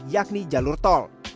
yakni jalur tol